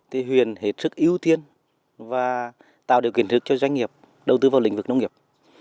thì huyện hết sức ưu tiên và tạo điều kiện thức cho doanh nghiệp đầu tư vào lĩnh vực nông nghiệp